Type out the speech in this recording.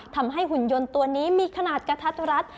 หุ่นยนต์ตัวนี้มีขนาดกระทัดรัด